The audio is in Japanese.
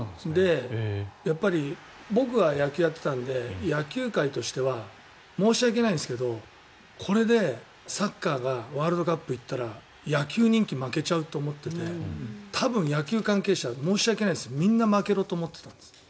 やっぱり僕は野球をやっていたので野球界としては申し訳ないですけどこれでサッカーがワールドカップに行ったら野球人気、負けちゃうと思ってて多分、野球関係者申し訳ないですみんな負けろと思ってたんです。